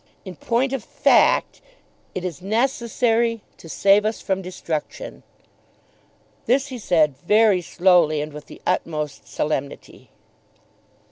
In point of fact it is necessary to save us from destruction." This he said, very slowly, and with the utmost solemnity.